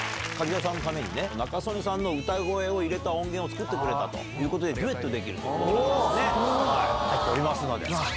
柿澤さんのためにね、仲宗根さんの歌声を入れた音源を作ってくれたということで、デュエットできるということで、入っておりますので。